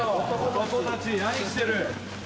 漢たち何してる。